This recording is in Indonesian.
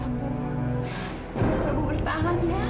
mas rambu bertahan ya